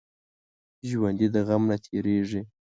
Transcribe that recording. ژوندي د غم نه تېریږي